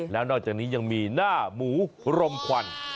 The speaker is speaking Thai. แล้วนอกจากนี้ยังมีหน้าหมูรมควัน